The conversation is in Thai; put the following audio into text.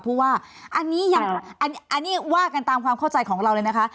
เพราะว่าอันนี้ว่ากันตามความเข้าใจของเราเลยนะคะ